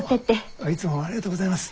あっいつもありがとうございます。